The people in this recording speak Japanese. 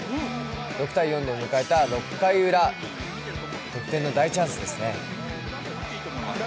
６−４で迎えた６回ウラ、得点の代チャンスですね。